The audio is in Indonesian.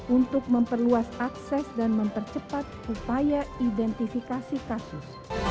untuk memperluas akses dan mempercepat upaya identifikasi kasus